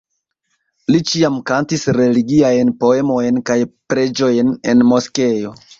Li ĉiam kantis religiajn poemojn kaj preĝojn en moskeo.